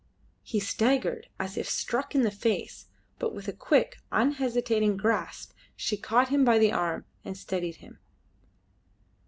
He staggered as if struck in the face, but with a quick, unhesitating grasp she caught him by the arm and steadied him.